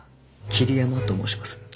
桐山と申します。